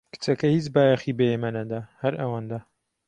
کچەکە هیچ بایەخی بە ئێمە نەدا، هەر ئەوەندە.